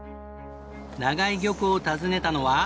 長井漁港を訪ねたのは。